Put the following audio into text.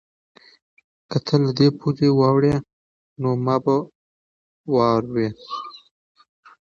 که ته له دې پولې واوړې نو ما به واورې؟